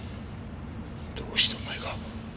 どうしてお前が？